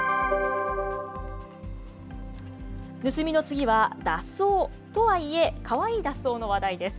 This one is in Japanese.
盗みの次は脱走、とはいえ、かわいい脱走の話題です。